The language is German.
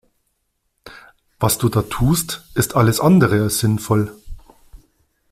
Was du da tust ist alles andere als sinnvoll.